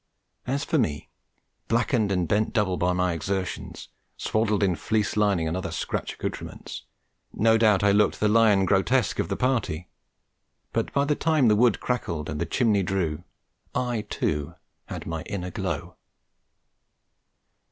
As for me, blackened and bent double by my exertions, swaddled in fleece lining and other scratch accoutrements, no doubt I looked the lion grotesque of the party; but, by the time the wood crackled and the chimney drew, I too had my inner glow.